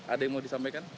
ada yang mau disampaikan